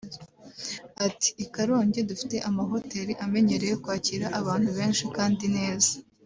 Ati “I Karongi dufite amahoteli amenyereye kwakira abantu benshi kandi neza